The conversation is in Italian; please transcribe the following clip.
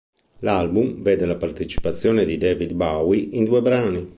L'album vede la partecipazione di David Bowie in due brani.